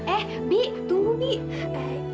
eh bibi tunggu bibi